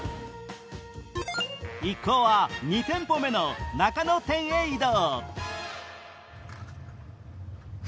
一行は２店舗目の中野店へえっ？